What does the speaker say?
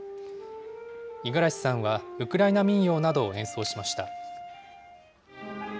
五十嵐さんはウクライナ民謡などを演奏しました。